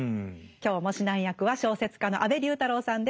今日も指南役は小説家の安部龍太郎さんです。